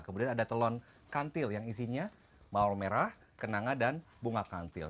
kemudian ada telon kantil yang isinya mau merah kenanga dan bunga kantil